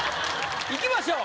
いきましょう。